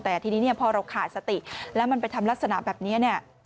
แต่ทีนี้พอเราขาดสติแล้วมันไปทำลักษณะแบบนี้